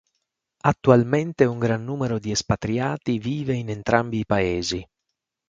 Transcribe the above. Attualmente un gran numero di espatriati vive in entrambi i paesi.